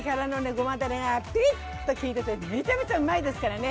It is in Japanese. ごまだれがピリッと効いててめちゃめちゃうまいですからね。